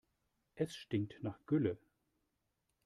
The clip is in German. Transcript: Es stinkt nach Gülle.